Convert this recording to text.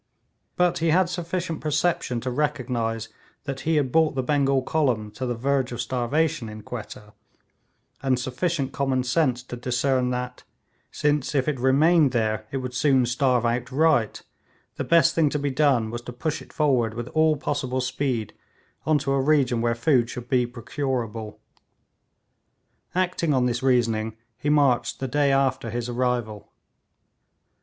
But he had sufficient perception to recognise that he had brought the Bengal column to the verge of starvation in Quetta, and sufficient common sense to discern that, since if it remained there it would soon starve outright, the best thing to be done was to push it forward with all possible speed into a region where food should be procurable. Acting on this reasoning, he marched the day after his arrival.